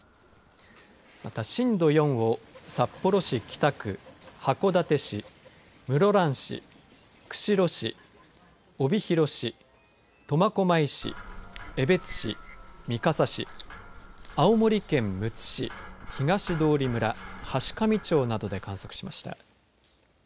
また、震度４を札幌市北区函館市、室蘭市、釧路市帯広市、苫小牧市、江別市三笠市、青森県むつ市東通村、階上町などで観測しました。